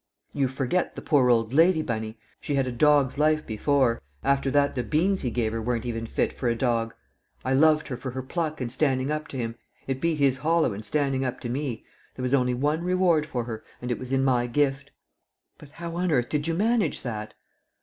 "You forget the poor old lady, Bunny. She had a dog's life before; after that the beans he gave her weren't even fit for a dog. I loved her for her pluck in standing up to him; it beat his hollow in standing up to me; there was only one reward for her, and it was in my gift." "But how on earth did you manage that?"